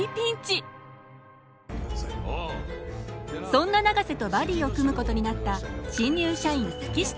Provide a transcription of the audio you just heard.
そんな永瀬とバディを組むことになった新入社員月下。